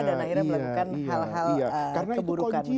dan akhirnya melakukan hal hal keburukan gitu ya